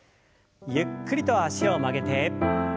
ゆっくりと脚を曲げて。